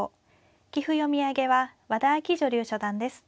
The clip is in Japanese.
棋譜読み上げは和田あき女流初段です。